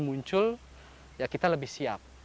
muncul ya kita lebih siap